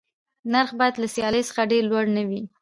نرخ باید له سیالۍ څخه ډېر لوړ نه وي.